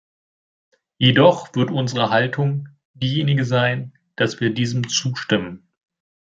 Jedoch wird unsere Haltung diejenige sein, dass wir diesem zustimmen.